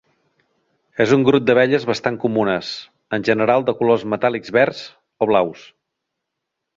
És un grup d'abelles bastant comunes, en general de colors metàl·lics verds o blaus.